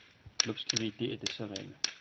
L’obscurité était sereine.